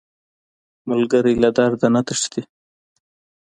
ملګری له درده نه تښتي